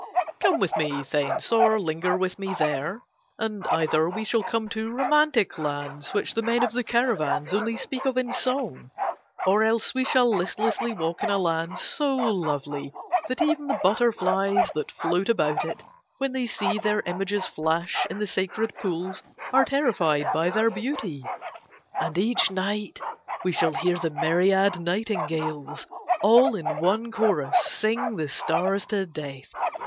"'Come with me thence or linger with me there and either we shall come to romantic lands which the men of the caravans only speak of in song; or else we shall listlessly walk in a land so lovely that even the butterflies that float about it when they see their images flash in the sacred pools are terrified by their beauty, and each night we shall hear the myriad nightingales all in one chorus sing the stars to death.